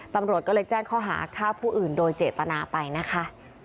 ตำรวจก็เลยแจ้งข้อหาฆ่าผู้อื่นโดยเจตนาไปนะคะ